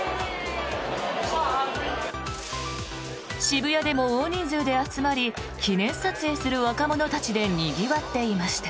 渋谷でも大人数で集まり記念撮影する若者たちでにぎわっていました。